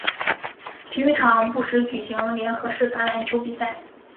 体育场不时举行联合式橄榄球比赛。